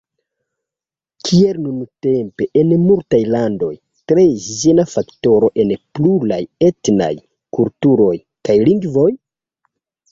Kiel nuntempe en multaj landoj: tre ĝena faktoro en pluraj etnaj kulturoj kaj lingvoj?